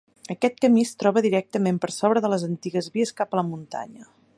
Aquest camí es troba directament per sobre de les antigues vies cap a la muntanya.